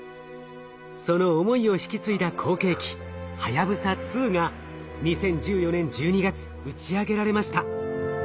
その思いを引き継いだ後継機「はやぶさ２」が２０１４年１２月打ち上げられました。